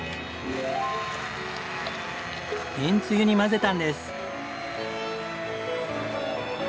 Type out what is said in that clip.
めんつゆに混ぜたんです。